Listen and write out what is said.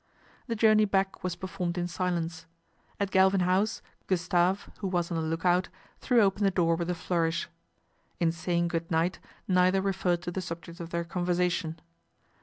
The journey back was performed in silence. At Galvin House Gustave, who was on the look out, threw open the door with a flourish. In saying good night neither referred to the sub ject of their conversation.